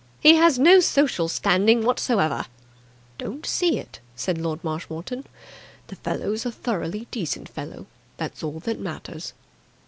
He has no social standing whatsoever." "Don't see it," said Lord Marshmoreton. "The fellow's a thoroughly decent fellow. That's all that matters."